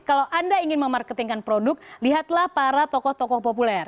kalau anda ingin memarketingkan produk lihatlah para tokoh tokoh populer